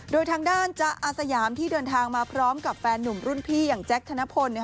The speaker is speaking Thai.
โดยทางด้านจ๊ะอาสยามที่เดินทางมาพร้อมกับแฟนหนุ่มรุ่นพี่อย่างแจ๊คธนพล